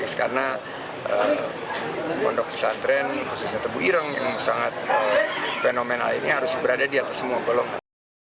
jadi saya ingin mengundang pesantren khususnya teguh irang yang sangat fenomenal ini harus berada di atas semua golongan